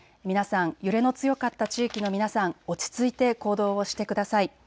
揺れの強かった地域の皆さん、落ち着いて行動をしてください。